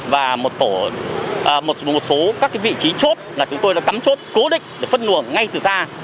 và một số các vị trí chốt là chúng tôi đã cắm chốt cố định để phân nguồn ngay từ xa